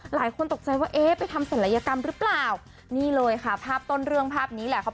หลายคนตกใจว่าเอ๊ะไปทำศัลยกรรมหรือเปล่านี่เลยค่ะภาพต้นเรื่องภาพนี้แหละครับ